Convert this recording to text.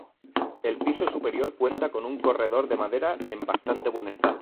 El piso superior cuenta con un corredor de madera en bastante buen estado.